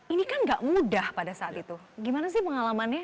ini kan gak mudah pada saat itu gimana sih pengalamannya